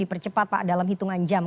dipercepat pak dalam hitungan jam